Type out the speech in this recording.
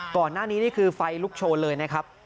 ก่อนหน้านี้นี่คือไฟลุกโชนเลยนะครับ